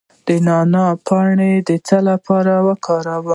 د نعناع پاڼې د څه لپاره وکاروم؟